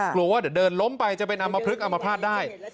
กลัวว่าเดินล้มไปจะเป็นอัมพลึกอัมพลาดได้